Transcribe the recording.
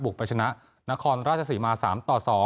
ไปชนะนครราชศรีมา๓ต่อ๒